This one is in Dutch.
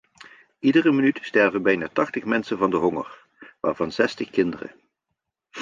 Iedere minuut sterven bijna tachtig mensen van de honger, waarvan zestig kinderen.